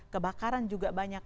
kebakaran juga banyak